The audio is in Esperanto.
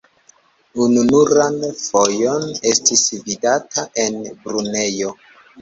Ununuran fojon estis vidata en Brunejo.